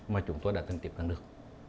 mà chúng tôi đã thành tựu tăng được